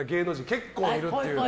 結構いるっぽい。